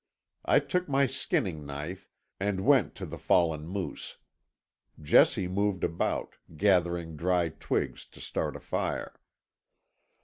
I took my skinning knife and went to the fallen moose. Jessie moved about, gathering dry twigs to start a fire.